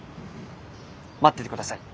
待っててください。